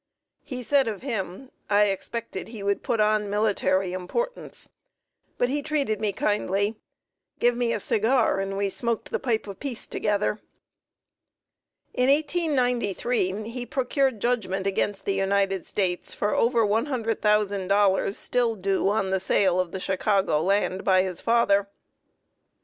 He said of him: "I expected he would put on military importance, but he treated me kindly, give me a cigar, and we smoked the pipe of peace together." In 1893 he procured judgment against the United States for over $100,000 still due on the sale of the Chicago land by his father.